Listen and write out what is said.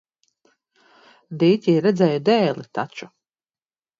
Dīķī redzēju dēli taču.